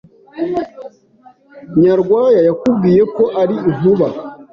Nyarwaya yakubwiye ko ari inkuba